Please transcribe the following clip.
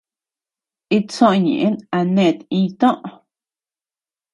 Itsoʼö ñeʼen a net iñʼtoʼö.